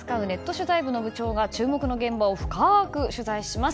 取材部の部長が注目の現場を深く取材します。